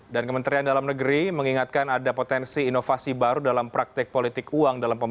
dan kementerian dalam negeri mengingatkan ada potensi inovasi baru dalam praktik politik uang dalam pemilih dua ribu sembilan belas